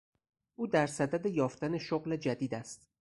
او درصدد یافتن شغل جدید است.